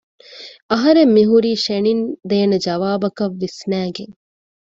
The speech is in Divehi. އަހަރެން މިހުރީ ޝެނިން ދޭނެ ޖަވާބަކަށް ވިސްނައިގެން